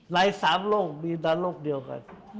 ไร้สามโลกมีโดนโลกเดียวกัน